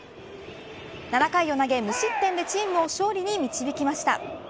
７回を投げ、無失点でチームを勝利に導きました。